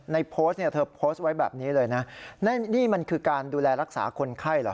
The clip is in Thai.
โพสต์เนี่ยเธอโพสต์ไว้แบบนี้เลยนะนี่มันคือการดูแลรักษาคนไข้เหรอ